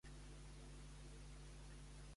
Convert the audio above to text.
Serracant serà escollit com a nou alcalde de Sabadell.